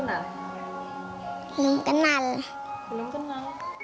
atau belum kenal